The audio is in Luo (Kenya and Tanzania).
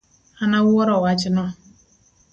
An awuoro wachno